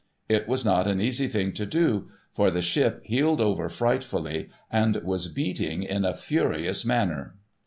It was not an easy thing to do, for the ship heeled over frightfully, and was beating in a furious manner.